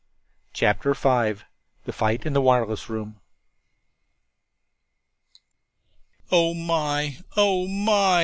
CHAPTER V THE FIGHT IN THE WIRELESS ROOM "Oh my; oh, my!"